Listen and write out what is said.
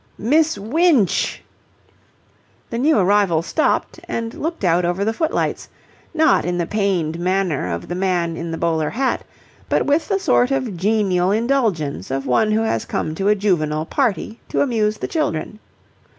"Miss Winch!" The new arrival stopped and looked out over the footlights, not in the pained manner of the man in the bowler hat, but with the sort of genial indulgence of one who has come to a juvenile party to amuse the children.